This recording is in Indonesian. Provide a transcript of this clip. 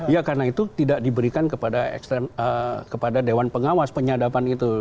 ya karena itu tidak diberikan kepada dewan pengawas penyadapan itu